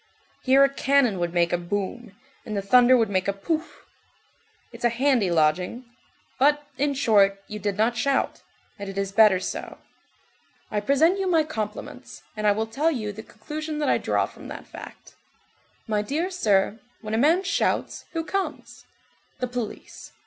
Here a cannon would make a boum, and the thunder would make a pouf. It's a handy lodging. But, in short, you did not shout, and it is better so. I present you my compliments, and I will tell you the conclusion that I draw from that fact: My dear sir, when a man shouts, who comes? The police.